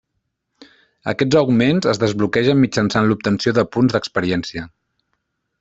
Aquests augments es desbloquegen mitjançant l'obtenció de punts d'experiència.